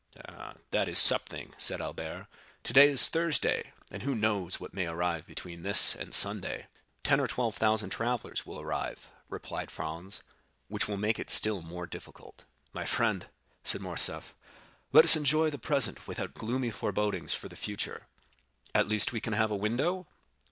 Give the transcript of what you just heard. "Ah, that is something," said Albert; "today is Thursday, and who knows what may arrive between this and Sunday?" "Ten or twelve thousand travellers will arrive," replied Franz, "which will make it still more difficult." "My friend," said Morcerf, "let us enjoy the present without gloomy forebodings for the future." "At least we can have a window?"